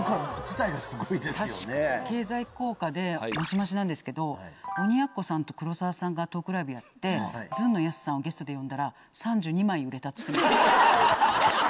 経済効果でマシマシなんですけど鬼奴さんと黒沢さんがトークライブやってずんのやすさんをゲストで呼んだら３２枚売れたっつってました。